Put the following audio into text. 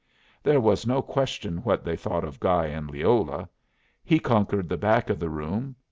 There was no question what they thought of Guy and Leola. He conquered the back of the room.